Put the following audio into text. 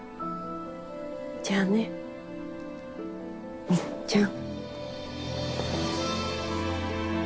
じゃあねみっちゃん。